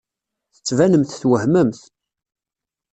Tettbanemt twehmemt.